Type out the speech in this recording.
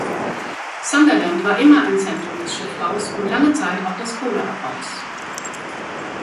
Sunderland war immer ein Zentrum des Schiffbaus und lange Zeit auch des Kohleabbaus.